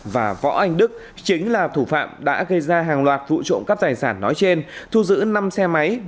và võ anh đức chính là thủ phạm đã gây ra hàng loạt vụ trộm cắp tài sản nói trên thu giữ năm xe máy